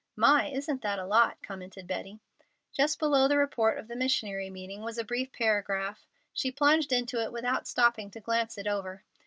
"My! Isn't that a lot!" commented Betty. Just below the report of the missionary meeting was a brief paragraph. She plunged into it without stopping to glance it over.